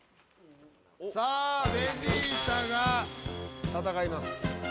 さあベジータが戦います。